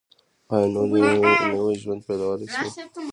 ایا نوی ژوند پیلولی شئ؟